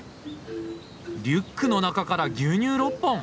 リュックの中から牛乳６本！